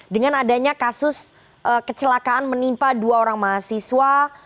dengan adanya kasus kecelakaan menimpa dua orang mahasiswa